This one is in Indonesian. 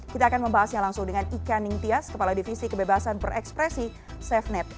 kita akan membahasnya langsung dengan ika ningtyas kepala divisi kebebasan berekspresi safenet